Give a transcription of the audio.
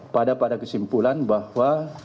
pada pada kesimpulan bahwa